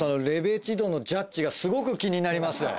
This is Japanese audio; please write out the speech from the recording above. レベチ度のジャッジがすごく気になります。